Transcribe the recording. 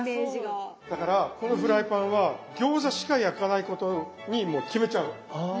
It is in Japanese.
だからこのフライパンは餃子しか焼かないことにもう決めちゃう。